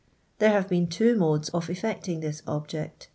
i There have been two modes of effecting this ■ object.